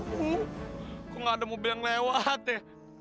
kok nggak ada mobil yang lewat ya